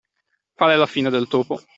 Fare la fine del topo.